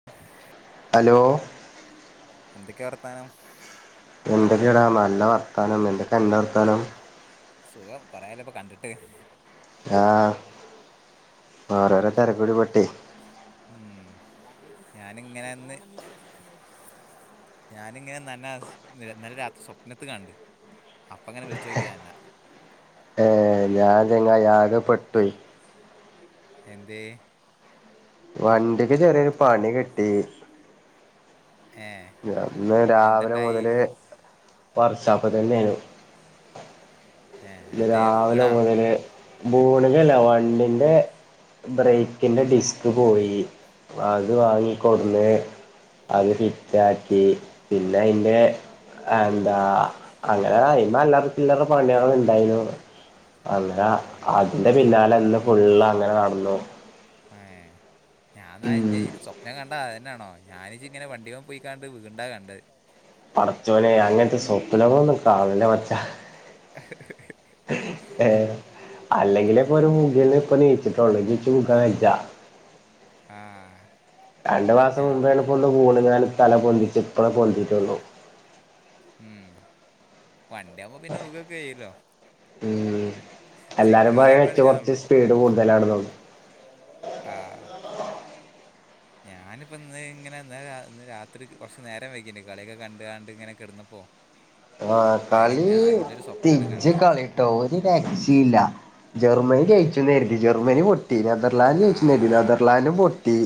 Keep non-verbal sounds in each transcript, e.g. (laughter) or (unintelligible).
(inaudible) Hello എന്തൊക്കെയ വർത്താനം എന്തൊക്കെ ടാ നല്ല വർത്താനം എന്തൊക്കെ അന്റെ വർത്താനം സുഖം കൊറേ ആയല്ലോ ഇപ്പൊ കണ്ടിട്ട് ആഹ് ഓരോരോ തിരക്കൂടി പെട്ട് ഉം ഞാനിങ്ങനെ ഇന്ന് ഞാനിങ്ങനെ നിന്ന ഇന്നലെ രാത്രി സ്വപ്നത്തി കണ്ട് അപ്പ ഇങ്ങനെ വിളിച്ചു നോക്കിയത അന്നാ ഏഹ് ഞാൻ ചങ്ങായി ആകെ പെട്ടോയി എന്തേ വണ്ടിക്ക് ചെറിയൊരു പണി കിട്ടി ഏ ഇന്ന് രാവിൽ എന്തുണ്ടായി മുതല് വർക്ക്‌ഷാപ്പിൽ തന്നെയാണ് ഏ ഇന്ന് എന്തേ രാവിലെ വീണാ മുതല് ബൂണ്ക്കല്ല വണ്ടിന്റെ ബ്രേക്കിന്റെ ഡിസ്ക് പോയി അത് വാങ്ങിക്കൊടുന്ന് അത് ഫിറ്റ് ആക്കി പിന്നെ അയിന്റെ എന്താ അങ്ങനെയ്മെ അല്ലാറ ചില്ലറ പണിയാള്ണ്ട് ണ്ടായിനു അങ്ങനെ അതിന്റെ പിന്നാലെ ന്ന് ഫുള്ള് അങ്ങനെ നടന്നു. ഏ ഞാന്നാ ഇനി സ്വപ്നം കണ്ടത ന്നെ ണോ? ഞാനി ചിങ്ങനെ വണ്ടി പോയി കാണ്ട് വീക്ണ്ടാ കണ്ട്. പടച്ചോനെ അങ്ങനത്തെ സ്വപ്നങ്ങളൊന്നും കാണല്ലേ? മച്ച. (unintelligible) ഏ അല്ലെങ്കിലേ ഇപ്പൊ ഒരു ബുകല്ന്ന് ഇപ്പൊ നീച്ചിട്ടൊള്ളു. നിച്ച്, ബുകാ വയ്യ ആഹ്‌ രണ്ട് മാസം മുമ്പോണ് പൊന്ന് വീണ് കാണ്ട് ഞാൻ തല പൊന്തിച്ച് ഇപ്പണ് പൊന്തീറ്റൊള്ളു. മ് വണ്ടിയാവുമ്പോ പിന്നെ വുകൊക്കെ ചെയല്ലോ? മ്, എല്ലാരും പറണ്. ഇച്ച് കൊർച്ച് പാടില്ലാന്നുള്ളു സ്പീഡ് കൂടുതലാണ്. നൊ ആഹ്‌ ഞാനിപ്പോ, ഇന്ന് ഇങ്ങനെ ഇന്നലെ ഇന്ന് രാത്രി കൊർച് നേരം വയ്കീന് കളിയൊക്കെ കണ്ട് കാണ്ട് ഇങ്ങനെ കെടന്നപ്പോ? (inaudible) ആഹ്‌, കളി തീജ്ജ് കണ്ട് കളി. ട്ടോ ഒരു രക്ഷി ഇല്ല. ജർമ്മനി ജയിച്ചുന്നാര്തീ. ജെർമ്മനി പൊട്ടി. നെതർ നലാൻഡ് ആ ജയ്ചൂന്നര്തി നെതർലാൻഡ് പൊട്ടി.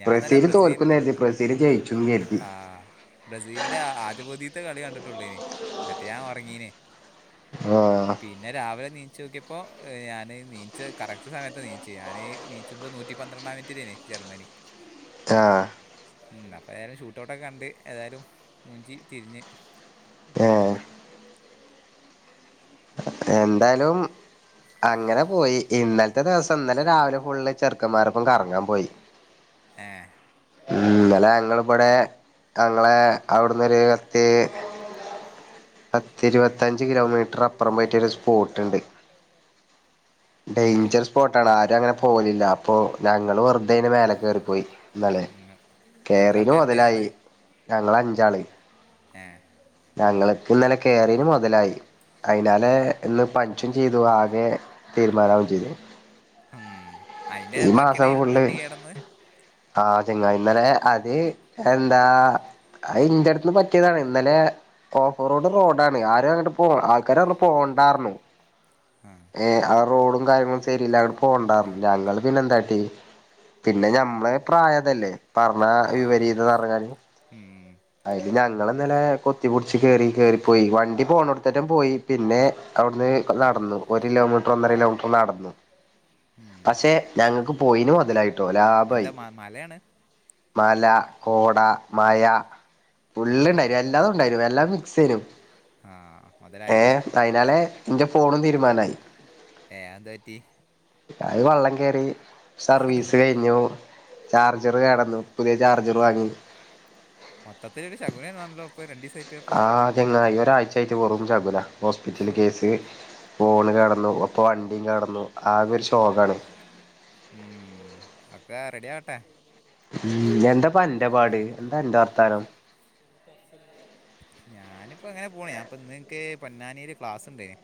ഞാൻ നല്ല ബ്രസീല് ബ്രസീൽ തോൽക്കുന്നു കരുതി. ബ്രസീല് ജയിച്ചും കരുതി. ബ്രസീലന്റെ ആദ്യ പോതിത്തെ കളി കണ്ടിട്ടുള്ളേന്, എന്നിട്ട് ഞാൻ ഒറങ്ങീന് ആഹ്‌ പിന്നെ, രാവിലെ നീച് നോക്കിയപ്പോ ഞാൻ നീച് കറക്റ്റ് സമയത്ത് നീച്ച് ഞാന്. നീച്ചുമ്പ നൂറ്റി പന്ത്രണ്ടാം മിനിറ്റ് ലേന് ജർമ്മനി ആഹ്‌ മ് അപ്പ ഞാൻ ഷൂട്ട്‌ ഔട്ട് ക്കെ കണ്ട് ‌. ഏതായാലും മൂഞ്ചി തിരിഞ്ഞ്. ഏ എന്തായലും അങ്ങനെ പോയി. ഇന്നല് ത്തെ ദിവസം ഇന്നലെ രാവിലെ ഫുള്ള് ചെർക്കന്മാരപ്പം കറങ്ങാൻ പോയി. ഏഹ്‌ ഇന്നലെ, ഞങ്ങളിവിടെ ഞങ്ങളെ അവിടുന്നൊര്. ര് പത്തി ഇരുപത്തഞ്ച് കിലോമീറ്റർ അപ്പുറം പോയിട്ടരു. റ്റ് സ്‌പോട്ട്ണ്ട്. ഏ ഡേഞ്ചർ സ് പ്പോട്ടാണ് ആരും, അങ്ങനെ പോവലില്ല. അപ്പോ, ഞങ്ങള് വെറുതെ അയിന്റെ മേലെ കയറിപ്പോയി. ഇന്നെലെ ഉം. എത്ര കേറിന് ആൾക്കാരുണ്ടായി മുതലായി. ഞങ്ങള് അഞ്ചാള് ഏഹ്‌ ഞങ്ങള്ക്ക് ഇന്നലെ കേറീന് മൊതലായി. അയിതിനാലെ, ഇന്ന് പനിക്കും ചെയ്തു. ആകെ തീരുമാനാവു ചെയ്തു. ഹമ്, അയിന്റെ ബാക്കിയാണ് ഈ, വണ്ടി കേടന്ന. ആഹ്‌, ചങ്ങായി. ഇന്നലെ അത്, എന്താ. അത് ഇന്റട്ന്ന് പറ്റിയതാണ്. ഇന്നലെ ഓഫ് റോഡ്, റോഡാണ്. ആരും, അങ്ങട്ട് പോ ആൾക്കാറഞ്ഞു. പോണ്ടാർന്നു. ഉം ഏ, ആ, റോഡും കാര്യങ്ങളും ശരില്ല അങ്ങട്ട് പോണ്ടാന്ന്പറഞ്ഞു. ഞങ്ങള് പിന്നെ എന്താട്ടി. പിന്നെ ഞമ്മളെ പ്രായത ല്ലേ? ആഹ് ഉം അയില് ഞങ്ങള് ഇന്നലെ കൊത്തിപടിച്ച് കേറി കേറിപ്പോയി വണ്ടി പോണോടത്തറ്റം പോയി പിന്നെ അവിടുന്ന് നടന്നു ഒരു കിലോമീറ്റർ ഒന്നര കിലോമീറ്റർ നടന്നു ഉം പക്ഷെ ഞങ്ങക്ക് പോയിനു മൊതലായിട്ടോ എന്താ ലാഭായി മ മലയാണ് മല കോട മഴാ ആ ഫുള്ള്ണ്ടായിന് എല്ലാതുണ്ടായിനു എല്ലാം മിക്‌സേനു ആ മുതലായല്ലോ ഏഹ് അയിനാലെ ഇന്റെ ഫോണും തീരുമാനായി ഏഹ് അഎന്താ പറ്റി അഹ് വള്ളംകേറി സർവീസ് കേ ഇഞ്ഞിയൊ ചാർജർ കേടന്നു പുതിയ ചാർജർ വാങ്ങി മൊത്തത്തിലൊരു ശകുനേണല്ലോ ഇപ്പൊ രണ്ടീസാ ആഹ് ചെങ്ങായി ഒരാഴ്ചായിട്ട് വെറും ശകുനാ ഹോസ്പിറ്റല്കേസ് ഫോണ് കേടന്നു ഒപ്പൊ വണ്ടി കേടന്നുആകെ ഒരുഷോകാണ് ഉം ഒക്കെ റെഡിആട്ടെ ഉംഎന്താപന്റെ പാട് എന്താ അന്റെവർത്താനം പസ്സിൽ ഞാന്പ്പോ അങ്ങനെപോണ് ഞാപ്പന്ന്ൻക്ക് പൊന്നാനില് ക്ലാസ്ണ്ടേന്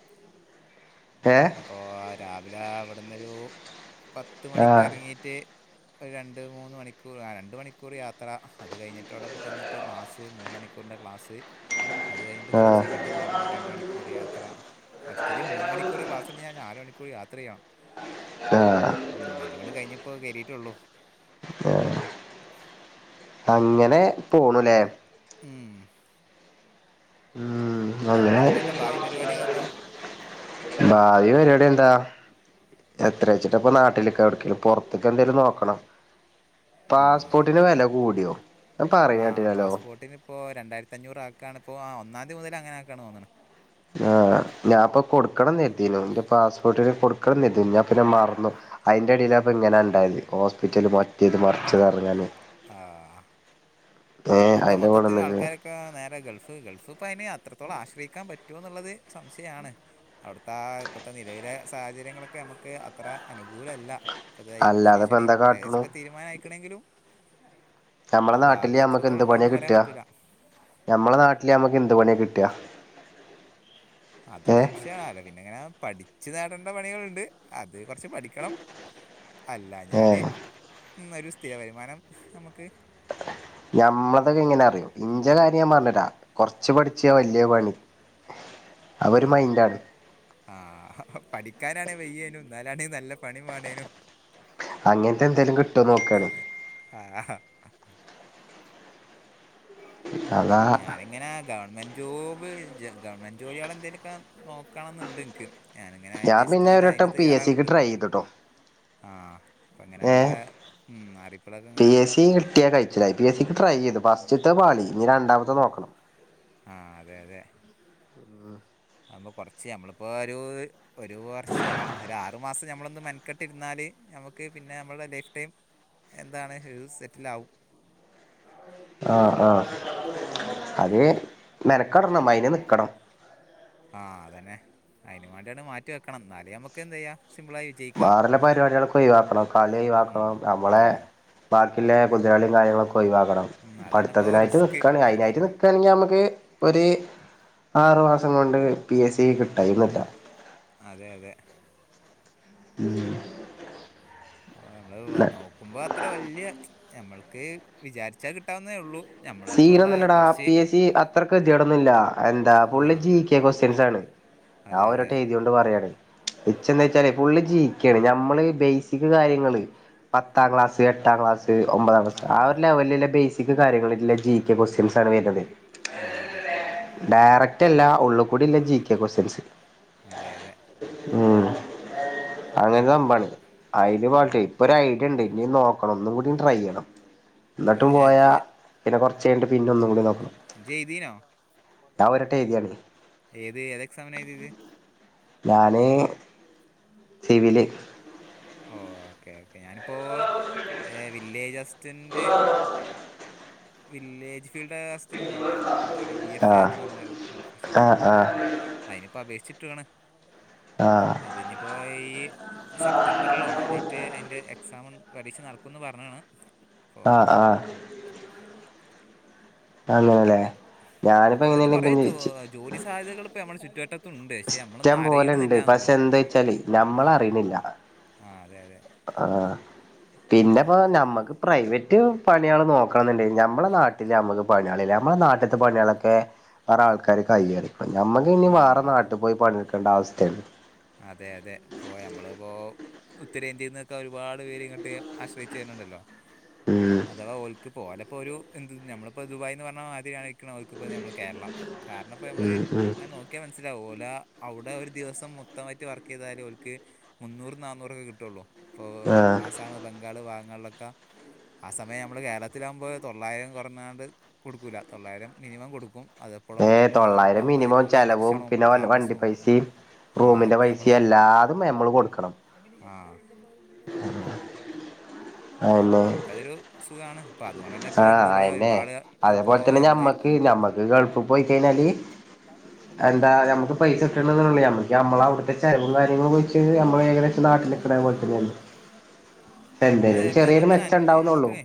ഏഹ് ഇപ്പോ രാവിലാ ഇവിടുന്നൊരു പത്ത് മണിക്ക് ആഹ് എറങ്ങീറ്റ് ഒരു രണ്ട് മൂന്ന് മണിക്കൂർ ആരണ്ട് മണിക്കൂർ യാത്ര അത് കഴിഞ്ഞിട്ടവടെ ചെന്ന്ട്ട് ക്ലാസ് മൂന്ന് മണിക്കൂറിൻ്റെ ക്ലാസ് അത് കഴിഞ്ഞിട്ട് തിരിച്ച് ആഹ് ഇങ്ങ ട്ട് നാല് മ രണ്ട് മണിക്കൂർ യാത്ര മൊത്തത്തില്മൂന്ന് മണിക്കൂർ ക്ലാസ്ന് ഞാൻ നാല് മണിക്കൂർ യാത്രയ്യണം ആഹ് ഉം അര്പട്കഴിഞ്ഞ്പ്പോ കേറിറ്റൊള്ളു ഉം അങ്ങനെപോണുലെ ഉം ഉം അങ്ങനെ എന്താഞ്ഞിപ്പന്റെ ഭാവി പരിപാടികളൊക്കാ ഭാവി പര്പാടിഎന്താ എത്രേച്ചിട്ടാപ്പ നാട്ടില്ക്കാ എവിട്ക്കേ പൊറത്ത്ക്കെന്തേലും നോക്കണം പാസ്പോട്ടിന് വെല കൂടിയോ അപറീണേ കേട്ടിനല്ലോ ഇപ്പോ രണ്ടായിരത്തഞ്ഞൂറ് ആക്കാണ്പ്പോ ആഹ് ഒന്നാന്തി മുതല് അങ്ങനാക്കാണ് തോന്ന്ണ് ആഹാ ഞാപ്പൊ കൊടുക്കണന്നെരുതീന്നു ഇൻ്റെ പാസ്പോർട്ടിന് കൊടുക്കണന്നെര്തീന്നു ഞാൻ പിന്നെ മറന്നു അയിന്റെടീലാപ്പോങ്ങനണ്ടായത് ഹോസ്പിറ്റല് പോ റ്റേത് മറിച്ചതറകഞ്ഞ്ങ്ങാന് ആ ഏഹ് അയിന്റെ കൂടന്ന്ട്ട് ഇപ്പാ നേരെ ഗൾഫ് ഗൾഫ് ഇപ്പഅയിന് അത്രത്തോള ആശ്രയിക്കാപറ്റോന്നുള്ളത് സംശയാണ് അവിടുത്താ ഇപ്പത്തെ നിലവിലെ സാഹചര്യങ്ങളൊക്കെ നമ്മുക്ക് അത്ര അനുകൂലല്ല അതാ യുദ്ധ അല്ലാതെ ഇപ്പ ഭീഷണീം എന്താ കാട്ടണു ഏശൊക്കെ തീരുമാനായിക്ക്ണങ്കിലും ഞമ്മളെ ഉം നാട്ടില് ഭാവി ഞമ്മക്ക് എന്ത് പണിയാ ന്നോളണ്ടാവുന്ന് കിട്ടുക പറയാപറ്റൂല്ല ഞമ്മളെ നാട്ടില് ഞമ്മക്കെന്ത് പണിയാകിട്ടാ അത് സംശയാ അത് പിന്നെങ്ങനാ പഠിച്ചു നേടണ്ട പണികള്ണ്ട് അത് കൊറച്ച് പഠിക്കണം ഹാ ഏഹ് അല്ലാഞാല്ഉം ഒരു സ്ഥിരവരുമാനം നമുക്ക് ഞമ്മളതൊക്കെ എങ്ങനെഅറിയോ ഇഞ്ചെകാര്യം ഞാൻ പറഞ്ഞേരാ കൊറച്ച്പഠിച്ചാ വല്ല്യേ പണി അതൊരു ആഹ് മൈൻഡാണ് ആഹ് പഠിക്കാനാണെ വയ്യേനും ഇന്നാലാണെ നല്ല പണിവാണേനും അങ്ങനത്തെന്തേലും കിട്ടോനോക്കാണ് ആഹാ അതാ ഞാനിങ്ങനാ ഗവൺമെ ജോബ് ജ് ഗവൺമെൻറ് ജോലിയാള് എന്തേലൊക്കെ നോ ക്കണംന്ന്ണ്ട്ൻക്ക് ഞാനങ്ങനെ അയി ഞാൻ പിന്നെ ജസ്റ്റ്ങ്ങനെ ഒരു അയിന് വട്ടം പി എസ് സിക്ക് തയ്യാറാവ്ണ്ട് ട്രൈ ചെയ്തുട്ടോ ആഹ് അപ്പൊങ്ങനെള്ള ഉം അറിപ്പളൊക്കെങ്ങെ പിഎസ്സി കിട്ടിയാലായി ച്ചിലായി പി എസ്സി ക്ക് ട്രൈ ചെയ്തു ഫസ്റ്റ്ത്തെപാളി ഇഞ്ഞി രണ്ടാമത്തെ നോക്കണം ആഹ് അതെ അതെ നമ്മള്കൊറച്ച് നമ്മളിപ്പോരുഒരു വർഷംആരാ ഒരുമാസം നമ്മളൊന്ന് മേനെകെട്ടിരുന്നാല് നമുക്ക് പിന്നെ നമ്മുടെ ലൈഫ് ടൈം എന്താണ് ഹ് സെറ്റിലാവും ആഹ് അത്മേനെക്കടണം അയിന്നിക്കണം. ആഹ് അതന്നെ അയിന് വേണ്ടിയാണ് മാറ്റിവെക്കണം എന്നാലേനമക്കെന്തേയ്യാം സിമ്പിളായി വിജയിക്കാം വേറെല്ല പരിപാടിയോളോക്കെ ഒയിവാ വാക്കണം കളി ഉം, ഒയിവാക്കണം നമ്മളെ ഉം, ബാക്കിള്ള കുതിരകളിയും കാര്യങ്ങളൊകൊയിവാക്കണം ഉം, അതാണിപ്പോൾ പഠത്തത്തിനായിട്ട് റിസ്ക് നിക്കേണ് അയിനായിട്ട്നി ക്കണെങ്കിനമക്ക് ഒര് ആറുമാസം കൊണ്ട് പി എസ് സി കിട്ടായികല്ല അതെ അതെ ആഹ് ഓനമ്മള് നോക്കുമ്പത്ര വല്ല്യ നമ്മക്ക് വിചാരിച്ചാകിട്ടാവുന്നേഒള്ളൂ സീരംന്നെല്ലെടാ പി എസ് സി ത്രക്ക്കേതിയെടോന്നുല്ല ആ എന്താപുള്ളിക്ക്ഇകേകോസ്റ്റ്സ്റ്റേൻസാണ് അതെ ഞാനൊരു അതെ വട്ടം എഴുത- പറയേണ് ഇച്ചന്താചാല് ഫുള്ള് ജീകെണ് നമ്മള്ബേസിക് കാര്യങ്ങള് പത്താംക്ലാസ് എട്ടാംക്ലാസ്ഒമ്പതാം ആ ക്ലാസ് ആഒരുലെവലിലെബേസിക് കാര്യങ്ങളി ല്ലേ ജികെ ക്വസ്റ്റ്യൻസ് വരണത് അതെ അതെ ഡയറക്റ്റ് അല്ല ഉള്ള്കൂഡില്ല ജി കെ ക്വസ്റ്റ്യൻസ് അതെ അതെ ഉം അങ്ങനെ സംഭാണ് അയില് ഉം. പള്ട്ട് ഇപ്പൊരയിഡിയണ്ട് ഇനിനോക്കണം ഒന്നും കൂടിട്രൈയ്യണം അതെ ന്നിട്ടും ഏ, പോയാ ഇജ്ജ് പിന്നെ കൊറച്ചയിഞ്ഞിട്ട് പിന്നെന്നൂടിനോ ജി ഏയ്‌തിനോ ഒരട്ടം എഴുതിയാണ് ഏത് ഏത എക്സാമിനാ എഴുതിയത് ഞാന് സിവില് ഓഹ് ഓക്കേക്കേ ഞാനിപ്പോൾ വില്ലേജ്അസ്റ്റൻറ് വില്ലേജ് ഫീൽഡ്അസ്റ്ററ്ണ്ടല്ലോ ഒരു വി എസ്സെ ആഹ് എന്ന്റിഞ്ഞൊരു അഡ്ഫിഷൻ ആഹ് ആഹ് അയിന് പപേക്ഷിച്ചിട്ടക്ക്ണ് ആഹ് അതിഞ്ഞിപ്പോൾ ഈസെപ് റ്റംബറിലോ ആയിറ്റ് അയിൻ്റെ എക്സാാം പരീക്ഷനടക്കുന്ന് പറഞ്ഞക്ക്ണ് ആഹ്ആഹ് ആഹ് അങ്ങനല്ലേ ഞാനിപ്പോ അത്തരത്തിൽ കുറേ ജോ എങ്ങനെയെലക്കേജയിച്ച് ജോലി സാധ്യതകള്പ്പോ നമ്മളെ ചുറ്റുവട്ടം തുണ്ട് പക്ഷെനമ്മളൊന്നും ഇഷ്ടം പോലെണ്ട് അറിയണന്നില്ലന്നുള്ളൂ പക്ഷെ എന്താ വെച്ചാല് നമ്മളറിയണില്ല ആഹ് അതെ അതെ ആഹ് പിന്നെപ്പോ നമ്മക്ക് പ്രൈവറ്റ് പണികള്നോക്കണന്ന്ണ്ടെങ്കി നമ്മളെനാ നമ്മള്ക്ക് പണിയെളില്ലനമ്മടെ നാട്ടിത്തെപണിയാളൊക്കെവേറെ ആൾക്കാര്കയ്യെറിും ഞമ്മക്കിനി വാറ ഉം. നാട്ട് പോയി പണി ഇട്ക്കണ്ട അവസ്ഥേണ് അതെ അതെ പോയ നമ്മള് പ്പോ ഉത്തരേന്ദ്യേന്നൊക്ക ഒരുപാട് പേര് ഇങ്ങട്ട് ആശ്രയിച് വര്ണ് ണ്ടല്ലോ ഉം അതവാ ഓൽക്ക് പ്പൊ ഓലപ്പോരു എന്ത്ന്ന് ഞമ്മളിപ്പ ദുബായി്ന്ന് പർഞ്ഞ മാതിരിയാണ് ക്ക്ണ് ഓൽക്ക് ഇപ്പ ഞമ്മള കേര്ളം കാര്ണം ഇപ്പ ഞമ്മള് ഉം ഉം ങ്ങനെ നോ ക്ക്യാ മൻസ്സിലാവു ഓല അവ്ടെ ഒരു ദിവസം മൊത്തമായിട്ട് വർക്ക്യ്താല് ഓൽക്ക് മുന്നൂറ് നാന്നൂറ് ഒക്ക കിട്ടോള്ളൂ ഇപ്പൊ ആഹ് ആസാമ് ബംഗാള് ഭാഗങ്ങൾലൊക്ക ആ സമയം ഞമ്മള് കേരളത്തിലാവുമ്പോ തൊള്ളായിരം കൊർഞ്ഞാണ്ട് കൊടുക്കൂല തൊള്ളായിരം മിനിമം കൊടുക്കും അത് ഏ തൊള്ളായിരം മിനിമം ചെലവും പിന്നെ ഓല വണ്ടി താമസവും പൈസിം ആ റൂമിന്റെ അതൊക്കെ നമ്മള് പൈസിം എല്ലാതും ഞമ്മള് കൊടുക്കണം ആ അപ്പൊ ഓൽക്കതൊരു സുഖാണ് ഇപ്പോ അതുകൊണ്ട് തന്നെ ഇപ്പോ ആ നമ്മള് ഇവിടെ അയന്നെ ഒരുപാട് ഇപ്പോ അതേപോൽ തന്നെ നമ്മള് ഞമ്മക്ക് ഞമ്മക്ക് ഗൾഫ് പോയി കഴിഞ്ഞാല് ഞങ്ങക്ക് ഞമ്മക്ക് പൈസ കിട്ടണന്നൊള്ളി ഞമ്മക്ക് ഞമ്മള അവ്ട്ത്തെ ചെലവും കാര്യങ്ങളും വെച്ച് ഞമ്മള് ഏകദേശം നാട്ടില് (unintelligible) അതെ എന്തേലും ഇപ്പൊ ചെറിയൊരു നമ്മളിങ്ങനെ മെച്ചം അന്വ ഇണ്ടാവുന്നോള്ളു നമുക്ക്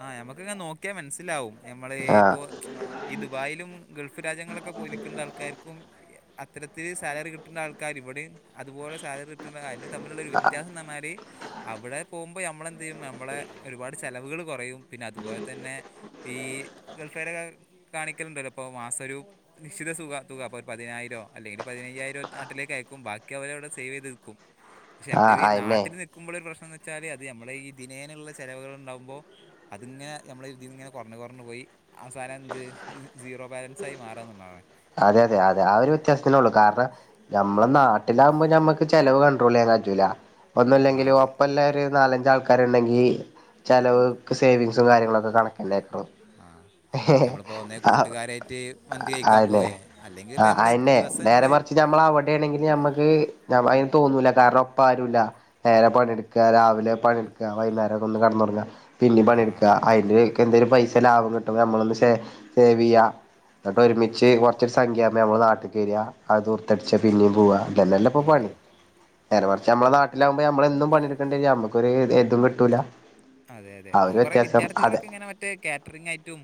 ആ ഞമ്മക്ക് ഇങ്ങെനെ നോക്കിയാ മൻസ്സിലാവും ഞമ്മള് ആഹ് ഇപ്പോ ഈ ദുബായിലും ഗൾഫ് രാജ്യങ്ങളൊക്ക പോയി നിക്കന്ത ആൾക്കാര്ക്കും അത്തരത്തില് സാലറി കിട്ട്ണ്ട ആൾക്കാര് ഇവടേം അതുപോലെ സാലറി കിട്ടണ്ട അഴിന്റെ തമ്മിലുള്ള ഒരു വ്യത്യാസം ന്ന് പർഞ്ഞാല് അവടെ പോവുമ്പ ഞമ്മളെന്തയ്യും ഞമ്മളെ ഒരുപാട് ചെലവുകള് കോറയും പിന്നെ അതുപോലെ തന്നെ ഈ ഗൾഫാരെ കാ കാണിക്കല്ണ്ടല്ലോ ഇപ്പൊ മാസ ഒരു നിശ്ചിത സുക തുക അപ്പ ഒരു പതിനായിരോ അല്ലെങ്കില് പതിനയ്യായിരോ നാട്ടിലേക്ക് അയക്കും ബാക്കി അവര അവടെ സേവ് ചെയ്ത് വെക്കും പക്ഷെ ഞമ്മള് ആഹ് ഈ അയന്നെ നാട്ടില് നിക്കുമ്പള് ഒരു പ്രശ്നന്ന് വച്ചാല് അത് ഞമ്മളെ ഈ ദിനേനള്ള ചെലവുകൾ ഇണ്ടാവുമ്പോ അത് ഇങ്ങനെ ഞമ്മളെ ഒര് ഇതീന്ന് ഇങ്ങനെ കൊർഞ് കൊർഞ്പോയി അവസാനം എന്ത് സീറോ ബാലൻസ് ആയി മാറാന്ന് ഇള്ളാണ് അതെ അതെ അതെ ആ ഒരു വ്യത്യാസ്ത്തിനേ ഒള്ളൂ കാര്ണം ഞമ്മള നാട്ടിലാവുമ്പോ ഞമ്മക്ക് ചെലവ് കൺ്രോൾ ചെയ്യാൻ ക ജൂല ആ ഒന്നുല്ലങ്കിലും അതെ ഒപ്പല്ല ഒരു നാലഞ്ച് ആൾ ക്കാര് ഇണ്ടെങ്കി ചെലവ് സേവിങ്സും കാര്യങ്ങളൊക്ക കണക്കന്നെക്കാരം ആ ഞമ്മള്പ്പോ ഒന്ന് കൂട്ടുകാരായിട്ട് മന്തി കഴിക്കാം ആന്നെ പോവേ അല്ലെങ്കില് ഇപ്പ ഞമ്മള് ദിവസം ഞമ്മള് ഞമ്മള് അവടെ ആണെങ്കില് ഞമ്മക്ക് അഴിന് തോന്നൂല കാരണം ഒപ്പ ആരുല്ല നേര പണിയെട് ക്ക രാവില പണി ഇട്ക്ക വൈന്നെരം ഒന്ന് കട്ന്ന ഒർങ്ങ പിന്നിം ആ പണി ഇട്ക്ക അയില് എനിക്ക് എന്തേലും പൈസ ലാഭം കിട്ടുമ്പ ഞമ്മളൊന്ന് ശേ സേവ് ചെയ്യാ ന്നട്ട് ഒരുമിച്ച് കൊർച്ചര് സംഖ്യ ആവുമ്പ ഞമ്മള് നാട്ടിക്ക് വര അത് ദൂർത്തട്ച്ച പിന്നിം പോവാ ഇതന്നല്ലെ ഇപ്പൊ ഉം പണി നേരെ മർച്ച് ഞമ്മളെ നാ ലാവുമ്പം ഞമ്മള് എന്നും പണി ഇട്ക്കേണ്ടി വരും ഞമ്മക്കൊര് ഇതും കിട്ടൂല ആ ഒരു വ്യത്യാസം അതെ കാറ്ററിങ് ആയിട്ടും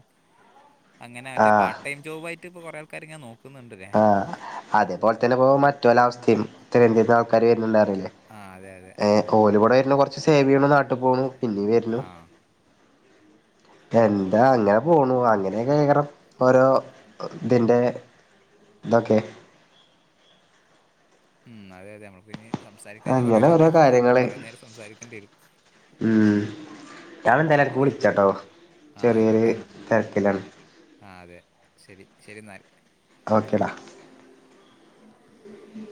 അങ്ങനെ മറ്റോ ആഹ് പാർട്ട് ട്ടൈം ജോബായിട്ട് ഇപ്പൊ കൊറെ ആൾക്കാര് ഇങ്ങനെ നോക്കുന്നുണ്ട് ലെ ആ അതേപോൽ തന്നെ പ്പൊ മറ്റൊല അവസ്ഥി ഇത്തരെന്ദ്യേന്ന് ആൾക്കാര് വര്ന്ണ്ട് പർഞ്ഞിലെ ആ അതെ അതെ ഏ ഓല് ഇവടെ വര്നു കൊർച്ച് സേവ് ചെയ്യ്ണു നാട്ട് പോണു പിന്നിം വര്ണു ! ! ! ! ! ! ! ! ! എന്താ അങ്ങന പോണു അങ്ങനെക്കെ കേക്കറം ഓരോ തിന്റെ ഇതൊക്കെ ഉം അതെ അതെ നമ്മള് പിന്നിം സംസാരിക്കാഞ്ഞ കോറെ അങ്ങനെ ഓരോ സമയം കോ കാര്യങ്ങള് കോറെ നേരം സംസാരിക്കണ്ടി വരും ഉം ഞാൻ എന്തേലും നമുക്കിനി കുളിച്ചട്ടോ ചെറിയൊരു തിരക്കിലാണ് ആഹ് അതെ ശരി ശരി എന്നാൽ ഓക്കെടാ ഉ